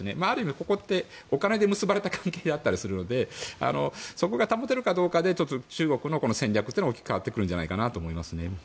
ある意味、ここってお金で結ばれた関係であったりするのでそこが保てるかどうかで中国の戦略は大きく変わってくるんじゃないかと思いますね。